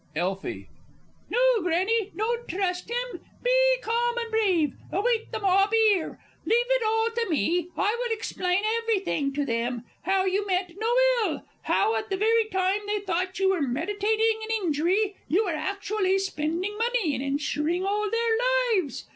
_ Elfie. No, Granny, don't trust him! Be calm and brave. Await the mob here. Leave it all to me. I will explain everything to them how you meant no ill, how, at the very time they thought you were meditating an injury, you were actually spending money in insuring all their lives.